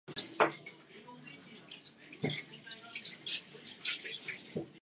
They later moved to Ely Place.